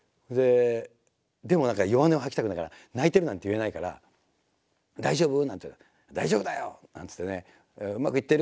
でも何か弱音を吐きたくないから「泣いてる」なんて言えないから「大丈夫？」なんて言われて「大丈夫だよ」なんつってね「うまくいってる？」。